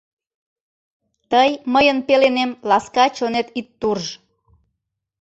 Тый мыйын пеленем ласка чонет ит турж.